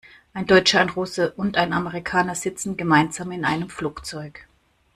Ein Deutscher, ein Russe und ein Amerikaner sitzen gemeinsam in einem Flugzeug.